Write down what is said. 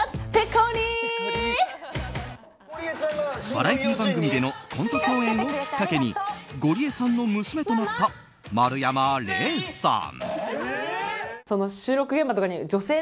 バラエティー番組でのコント共演をきっかけにゴリエさんの娘となった丸山礼さん。